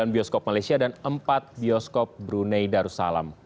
sembilan bioskop malaysia dan empat bioskop brunei darussalam